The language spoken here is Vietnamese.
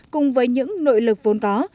cùng với những nội lực vốn có